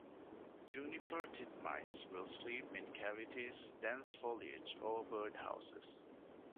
Juniper titmice will sleep in cavities, dense foliage, or birdhouses.